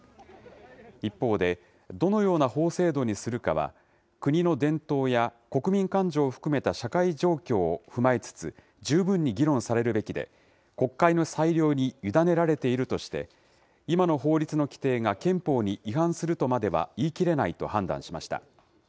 一方で、どのような法制度にするかは、国の伝統や国民感情を含めた社会状況を踏まえつつ十分に議論されるべきで、国会の裁量に委ねられているとして、今の法律の規定が憲法に違反するとまでは言い切れないと判断しました。